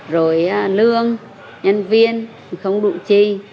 rồi lương nhân viên cũng không đủ chi